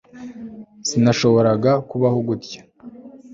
sinashoboraga kubaho gutya